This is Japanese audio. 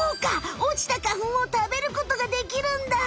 おちた花ふんを食べることができるんだ！